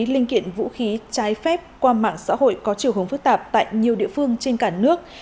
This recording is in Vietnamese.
linh kiện vũ khí trái phép qua mạng xã hội có chiều hướng phức tạp tại nhiều địa phương trên cả nước